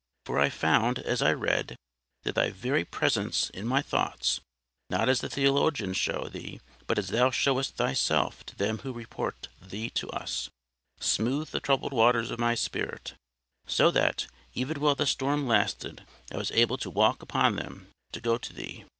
For I found, as I read, that Thy very presence in my thoughts, not as the theologians show Thee, but as Thou showedst Thyself to them who report Thee to us, smoothed the troubled waters of my spirit, so that, even while the storm lasted, I was able to walk upon them to go to Thee.